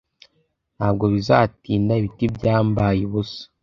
Ntabwo bizatinda ibiti byambaye ubusa